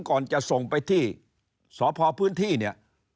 ก่อนจะส่งไปที่สพพื้นที่เนี่ย